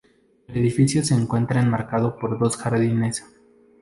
El edificio se encuentra enmarcado por dos jardines.